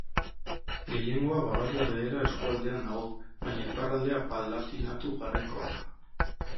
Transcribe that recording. Gehiengoa Bavaria Beherea eskualdean dago baina iparraldea Palatinatu Garaikoa da.